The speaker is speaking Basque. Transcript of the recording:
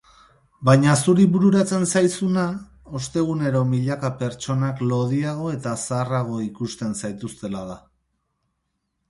Baina zuri bururatzen zaizuna ostegunero milaka pertsonak lodiago eta zaharrago ikusten zaituztela da.